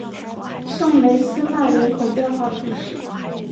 圣梅斯曼人口变化图示